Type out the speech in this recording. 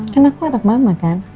karena aku anak mama kan